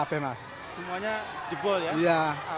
semuanya jebol ya